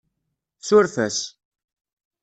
Suref-as.